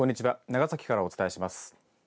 長崎からお伝えします。